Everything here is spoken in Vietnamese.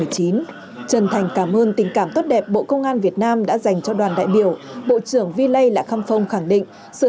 trần thành cảm ơn tình cảm tốt đẹp bộ công an việt nam đã dành cho đoàn đại biểu